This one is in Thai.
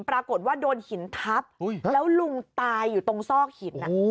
ปรากฏว่าโดนหินทับแล้วลุงตายอยู่ตรงซอกหิน